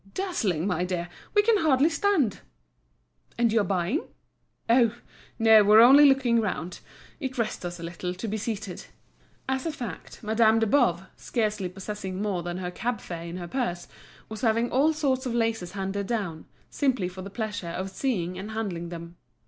"Dazzling, my dear. We can hardly stand." "And you're buying?" "Oh! no, we're only looking round. It rests us a little to be seated." As a fact, Madame de Boves, scarcely possessing more than her cab fare in her purse, was having all sorts of laces handed down, simply for the pleasure of seeing and handling them.